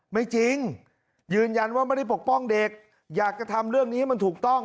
ไม่จริงยืนยันว่าไม่ได้ปกป้องเด็กอยากจะทำเรื่องนี้ให้มันถูกต้อง